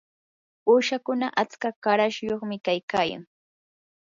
uushakuna atska qarashyuqmi kaykayan.